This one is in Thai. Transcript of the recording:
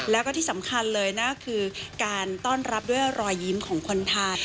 แล้วก็ที่สำคัญเลยนะคือการต้อนรับด้วยรอยยิ้มของคนไทย